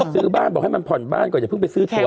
ซื้อบ้านบอกให้มันผ่อนบ้านก่อนอย่าเพิ่งไปซื้อตัว